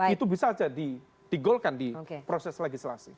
itu bisa saja digolkan di proses legislasi